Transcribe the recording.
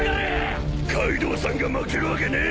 カイドウさんが負けるわけねえ！